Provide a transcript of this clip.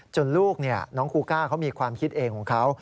ลูกน้องคูก้าเขามีความคิดเองของเขา